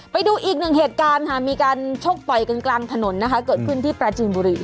ไปดูอีกหนึ่งเหตุการณ์ค่ะมีการชกต่อยกันกลางถนนนะคะเกิดขึ้นที่ปราจีนบุรี